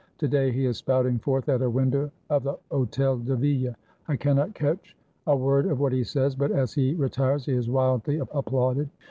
To day he is spouting forth at a window of the Hotel de Ville. I cannot catch a word of what he says; but as he retires he is wildly applauded.